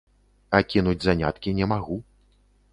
А кінуць заняткі не магу.